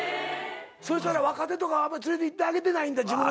そしたら若手とかあんま連れていってあげてないんだ。